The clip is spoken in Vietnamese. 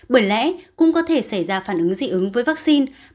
bởi lẽ cũng có thể xảy ra phản ứng dị ứng với vaccine